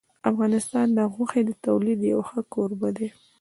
افغانستان د غوښې د تولید یو ښه کوربه دی.